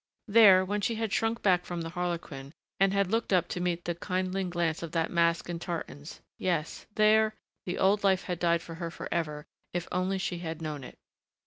There, when she had shrunk back from the Harlequin and had looked up to meet the kindling glance of that mask in tartans yes, there, the old life had died for her forever if only she had known it.